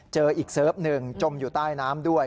เจออีกเซิร์ฟหนึ่งจมอยู่ใต้น้ำด้วย